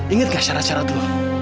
inget gak syarat syarat lu